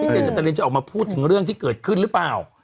เจจักรินจะออกมาพูดถึงเรื่องที่เกิดขึ้นหรือเปล่า